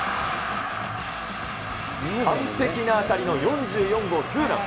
完璧な当たりの４４号ツーラン。